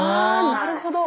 なるほど！